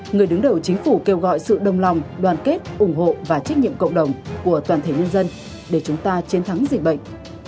người đứng đầu chính phủ kêu gọi sự đồng lòng đoàn kết ủng hộ và trách nhiệm cộng đồng của toàn thể nhân dân để chúng ta chiến thắng dịch bệnh